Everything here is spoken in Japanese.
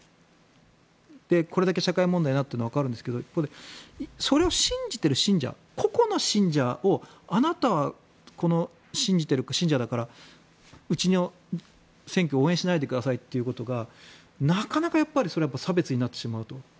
これだけ社会問題になっているのはわかるんですがそれを信じている信者個々の信者をあなたはこの、信じている信者だからうちの選挙を応援しないでくださいということがなかなか差別になってしまうと。